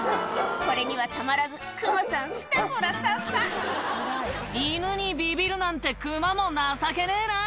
これにはたまらずクマさんすたこらさっさ「犬にビビるなんてクマも情けねえな」